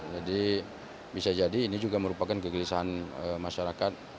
jadi bisa jadi ini juga merupakan kegelisahan masyarakat